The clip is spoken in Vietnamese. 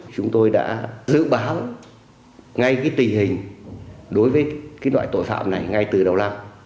chúng tôi đã dự báo ngay cái tình hình đối với cái loại tội phạm này ngay từ đầu lặng